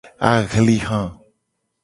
Ahliha.